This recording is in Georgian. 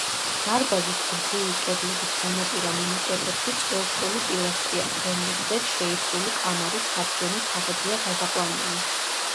დარბაზის გრძივი კედლების განაპირა მონაკვეთებში წყვილ-წყვილი პილასტრია, რომლებზეც შეისრული კამარის საბჯენი თაღებია გადაყვანილი.